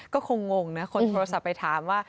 ก็คงงนะคนโทรศัพท์ไปถามว่า